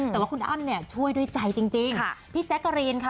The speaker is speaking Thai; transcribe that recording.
แต่ว่าคุณอ้ำเนี่ยช่วยด้วยใจจริงพี่แจ๊กกะรีนค่ะ